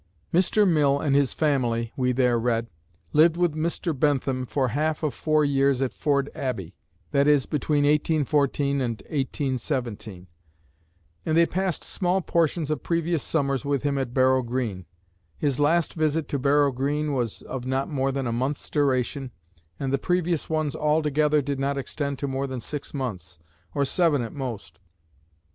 "Mr. Mill and his family," we there read, "lived with Mr. Bentham for half of four years at Ford Abbey," that is, between 1814 and 1817, "and they passed small portions of previous summers with him at Barrow Green. His last visit to Barrow Green was of not more than a month's duration, and the previous ones all together did not extend to more than six months, or seven at most.